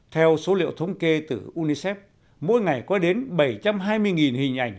theo số liệu thống kê từ unicef mỗi ngày có đến bảy trăm hai mươi hình ảnh